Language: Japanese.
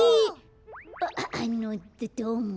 ああのどどうも。